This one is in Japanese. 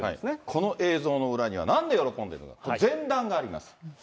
この映像の裏には、なんで喜んでるのか、前段があります。